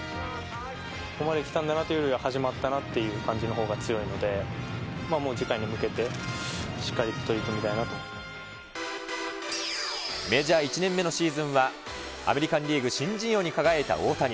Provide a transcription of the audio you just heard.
ここまできたんだなというよりは、始まったなっていう感じのほうが強いので、もう次回に向けて、メジャー１年目のシーズンは、アメリカンリーグ新人王に輝いた大谷。